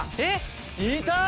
いた！